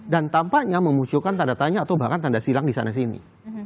dan tampaknya memunculkan tanda tanya atau bahkan tanda silang di sana sini